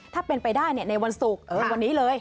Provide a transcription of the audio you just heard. ถ้าเป็นไปได้ในวันศุกร์ในวันนี้เลย